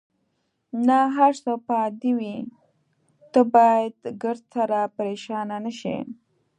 نه، هر څه به عادي وي، ته باید ګردسره پرېشانه نه شې.